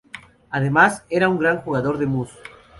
Además, era un gran jugador de mus.